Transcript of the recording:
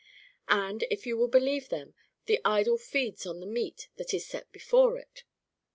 And. if you will believe them, the idol feeds on the meat that is set before it